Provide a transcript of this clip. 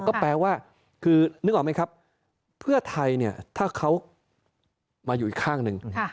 ก็แปลว่าคือนึกออกไหมครับเพื่อไทยเนี่ยถ้าเขามาอยู่อีกข้างหนึ่ง